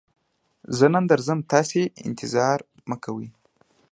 زه نن نه درځم، تاسې انتظار مکوئ!